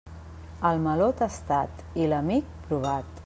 El meló, tastat, i l'amic, provat.